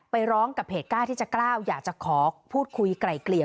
ไปร้องกับเหตุกล้าที่จะกล้าวอยากจะขอพูดคุยไกล่เกลี่ย